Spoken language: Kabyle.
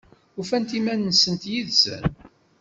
Ufant iman-nsent yid-sen?